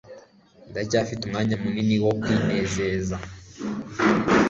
Ndacyafite umwanya munini wo kwinezeza.